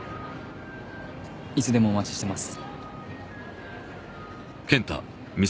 いつでもお待ちしてます